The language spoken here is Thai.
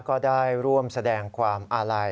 ก็ได้ร่วมแสดงความอาลัย